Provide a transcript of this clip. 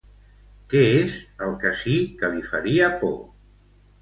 Què és el que sí que li faria por?